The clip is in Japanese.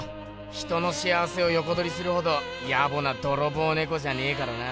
人の幸せをよこどりするほどやぼな泥棒ねこじゃねえからな。